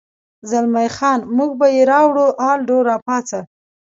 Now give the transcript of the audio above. زلمی خان: موږ به یې راوړو، الډو، را پاڅه.